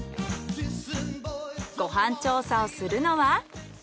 ご飯調査をするのは。